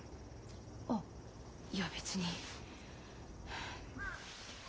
あっいや別に。